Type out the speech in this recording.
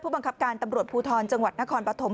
บังคับการตำรวจภูทรจังหวัดนครปฐม